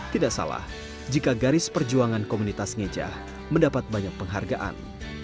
tidak salah jika garis perjuangan komunitas ngejah mendapat banyak penghargaan